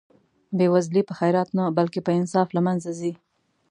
بې وزلي په خیرات نه بلکې په انصاف له منځه ځي.